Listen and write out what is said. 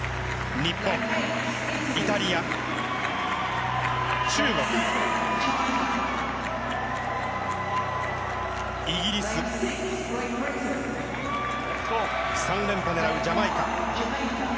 日本、イタリア、中国、イギリス３連覇を狙うジャマイカ。